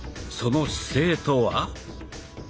その姿勢とは？